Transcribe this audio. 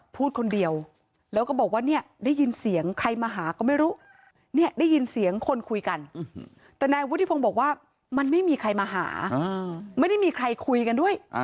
พูดคนเดียวแล้วก็บอกว่าเนี่ยได้ยินเสียงใครมาหาก็ไม่รู้เนี่ยได้ยินเสียงคนคุยกันแต่นายวุฒิพงศ์บอกว่ามันไม่มีใครมาหาไม่ได้มีใครคุยกันด้วย